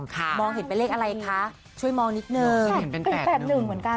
แต่พี่แน่ฉันว่า๖